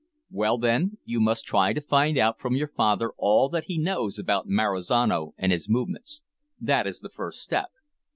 "Well then, you must try to find out from your father all that he knows about Marizano and his movements. That is the first step.